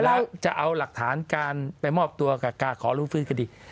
แล้วจะเอาหลักฐานการไปมอบตัวกับการขอรู้ฟื้นคดี